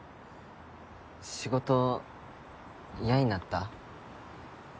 仕事嫌になった？